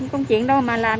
có chuyện đâu mà làm